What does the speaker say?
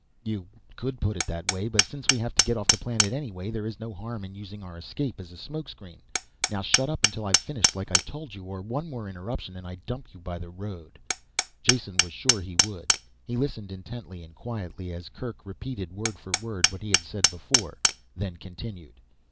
"You could put it that way. But since we have to get off planet anyway, there is no harm in using our escape as a smokescreen. Now shut up until I've finished, like I told you. One more interruption and I dump you by the road." Jason was sure he would. He listened intently and quietly as Kerk repeated word for word what he had said before, then continued.